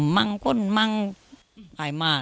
มันยังไม่รู้